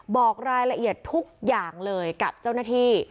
บอกรายละเอียดทุกอย่างเลยกับเจ้าหน้าที่